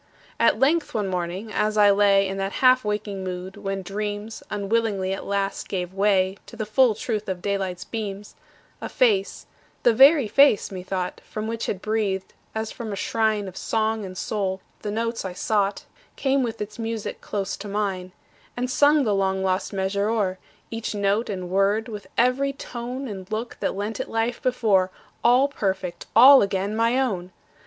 At length, one morning, as I lay In that half waking mood when dreams Unwillingly at last gave way To the full truth of daylight's beams, A face the very face, methought, From which had breathed, as from a shrine Of song and soul, the notes I sought Came with its music close to mine; And sung the long lost measure o'er, Each note and word, with every tone And look, that lent it life before, All perfect, all again my own!